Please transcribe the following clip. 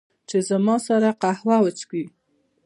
چې، زما سره قهوه وچښي